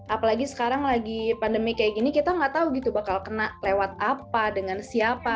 apalagi sekarang lagi pandemi kayak gini kita nggak tahu gitu bakal kena lewat apa dengan siapa